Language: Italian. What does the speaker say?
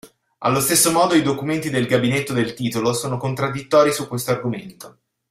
Allo stesso modo, i documenti del Gabinetto dei Titolo sono contraddittori su questo argomento.